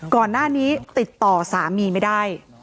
ก่อนหน้านี้ติดต่อสามีไม่ได้